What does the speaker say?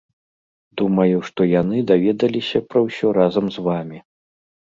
Думаю, што яны даведаліся пра ўсё разам з вамі.